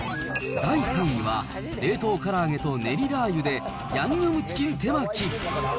第３位は、冷凍から揚げとねりラー油でヤンニョムチキン手巻き。